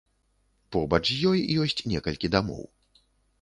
Побач з ёй ёсць некалькі дамоў.